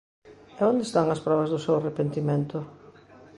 E onde están as probas do seu arrepentimento?